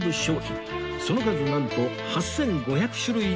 その数なんと８５００種類以上